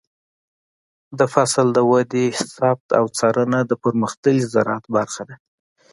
د فصل د ودې ثبت او څارنه د پرمختللي زراعت برخه ده.